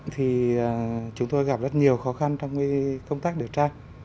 thì chúng tôi gặp rất nhiều khó khăn trong công tác điều tra